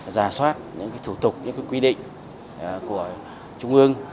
giả soát những thủ tục những quy định của trung ương